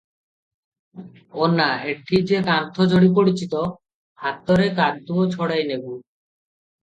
ଅନା, ଏହି ଯେ କାନ୍ଥ ଝଡ଼ି ପଡିଛି, ତା ହାତରେ କାଦୁଅ ଛଟାଇ ନେବୁ ।